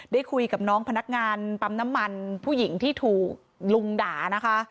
ได้คุยกับน้องพนักงานปั๊มน้ำมันผู้หญิงที่ถูกลุงด่านะคะ